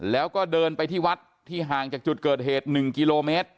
แล้วก็เดินไปที่วัดที่ห่างจากจุดเกิดเหตุ๑กิโลเมตร